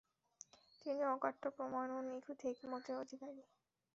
তিনি অকাট্য প্রমাণ ও নিখুঁত হিকমতের অধিকারী।